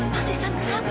mas iksan kenapa